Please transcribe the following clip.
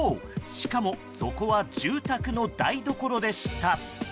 しかも、そこは住宅の台所でした。